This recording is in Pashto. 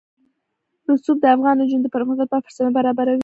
رسوب د افغان نجونو د پرمختګ لپاره فرصتونه برابروي.